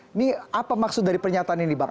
ini apa maksud dari pernyataan ini bang